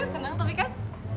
seneng tapi kan